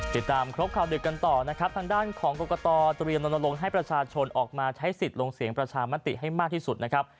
ติดตามครบข่าวดึกกันต่อนะครับทางด้านของกรกตเตรียมลงให้ประชาชนออกมาใช้สิทธิ์ลงเสียงประชามติให้มากที่สุดนะครับ